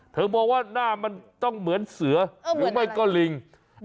มองว่าหน้ามันต้องเหมือนเสือหรือไม่ก็ลิง